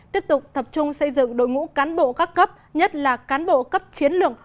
tiếp tục tập trung xây dựng đội ngũ cán bộ các cấp nhất là cán bộ cấp chiến lượng